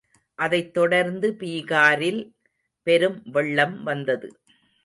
அதைத் தொடர்ந்து பீகாரில் பெரும் வெள்ளம் வந்தது.